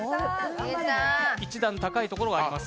１段、高いところがあります。